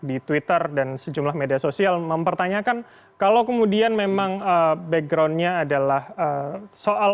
di twitter dan sejumlah media sosial mempertanyakan kalau kemudian memang backgroundnya adalah soal